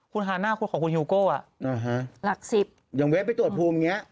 คุณฮาน่าของคุณฮิวโก้หลักสิบอย่างเว็บไปตรวจภูมิเนี้ย